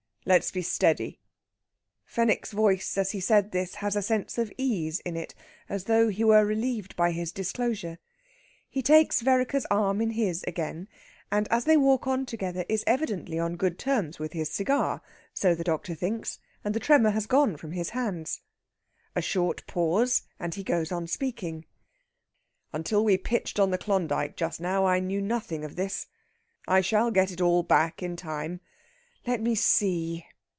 "Let's be steady!" Fenwick's voice, as he says this, has a sense of ease in it, as though he were relieved by his disclosure. He takes Vereker's arm in his again, and as they walk on together is evidently on good terms with his cigar so the doctor thinks and the tremor has gone from his hands. A short pause, and he goes on speaking: "Until we pitched on the Klondyke just now I knew nothing of this. I shall get it all back in time. Let me see!..."